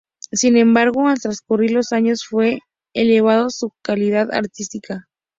Sin embargo, al transcurrir los años fue elevando su calidad artística.